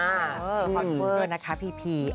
ฮอตเวิร์ดนะคะพีพี